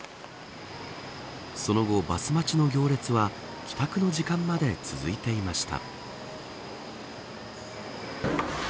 その後、バス待ちの行列は帰宅の時間まで続いていました。